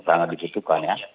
sangat dipercayai ya